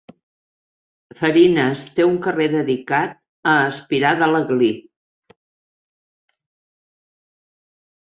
Farines té un carrer dedicat a Espirà de l'Aglí.